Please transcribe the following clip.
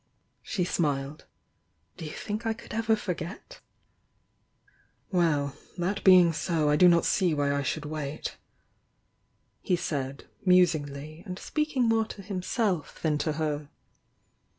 She smiled. "Do you think I could ever forget?" "Well! — that being so I do not see why I should wait," he said, musingly, and speaking more to him self than to her.